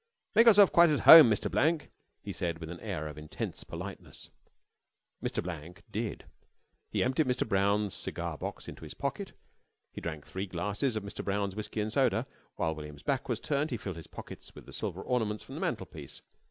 "Make yourself quite at home, Mr. Blank," he said with an air of intense politeness. Mr. Blank did. He emptied Mr. Brown's cigar box into his pocket. He drank three glasses of Mr. Brown's whiskey and soda. While William's back was turned he filled his pockets with the silver ornaments from the mantel piece.